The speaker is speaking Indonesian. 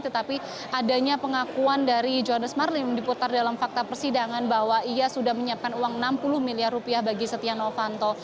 tetapi adanya pengakuan dari johannes marlim diputar dalam fakta persidangan bahwa ia sudah menyiapkan uang enam puluh miliar rupiah bagi setia novanto